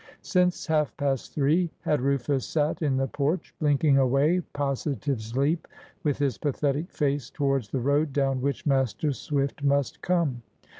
Since half past three had Rufus sat in the porch, blinking away positive sleep, with his pathetic face towards the road down which Master Swift must come.